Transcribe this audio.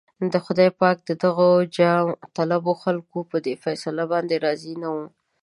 خدای پاک د دغو جاهطلبو خلکو په دې فيصله باندې راضي نه و.